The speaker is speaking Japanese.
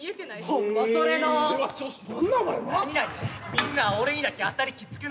みんな俺にだけ当たりきつくない？